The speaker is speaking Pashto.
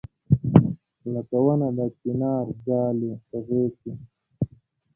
لکه ونه د چنار ځالې په غېږ کې